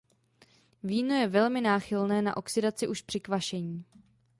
Víno je velmi náchylné na oxidaci už při kvašení.